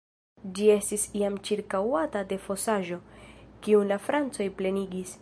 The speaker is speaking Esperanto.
Ĝi estis iam ĉirkaŭata de fosaĵo, kiun la francoj plenigis.